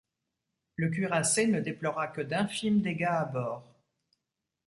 Le cuirassé ne déplora que d'infimes dégâts à bord.